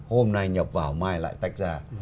hôm nay nhập vào mai lại tách ra